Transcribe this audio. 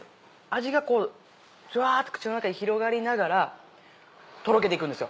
味がジュワって口の中に広がりながらとろけていくんですよ。